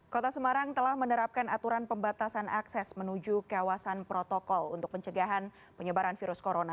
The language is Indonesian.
kota semarang telah menerapkan aturan pembatasan akses menuju kawasan protokol untuk pencegahan penyebaran virus corona